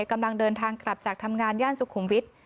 กำลังเดินทางกลับจากทำงานย่านสุขุมวิทย์